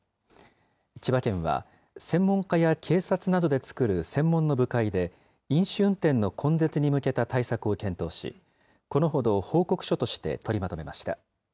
千葉県は、専門家や警察などで作る専門の部会で、飲酒運転の根絶に向けた対策を検討し、このほど報告書として取りまとめました。